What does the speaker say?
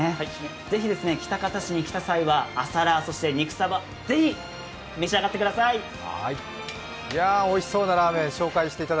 ぜひ喜多方市に来た際は、朝ラー、そして肉そば、ぜひ、召し上がってください！